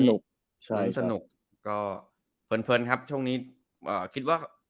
ช่วงนี้ใช่ลุ้นสนุกก็เพิ่นครับช่วงนี้อ่าคิดว่า